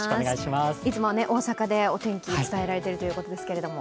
いつも大阪でお天気を伝えられてるということですけども。